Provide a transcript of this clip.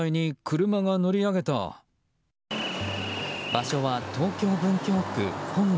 場所は東京・文京区本郷。